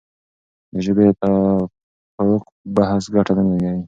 د ژبې د تفوق بحث ګټه نه لري.